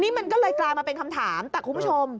นี่มันก็เลยกลายมาเป็นคำถามแต่คุณผู้ชม